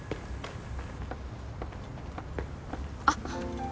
あっ！